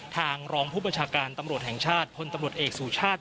ทางรองผู้บัญชาการตำรวจแห่งชาติพลตำรวจเอกสุชาติ